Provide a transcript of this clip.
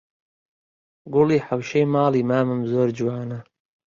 گوڵی حەوشەی ماڵی مامم زۆر جوانە